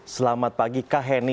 selamat pagi kak heni